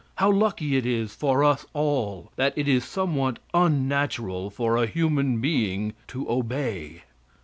How lucky it is for us all that it is somewhat unnatural for a human being to obey!